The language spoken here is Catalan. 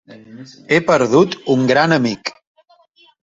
He perdut un gran amic.